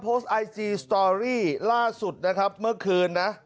โพสต์ไอจีสตอรี่ล่าสุดนะครับเมื่อคืนนะ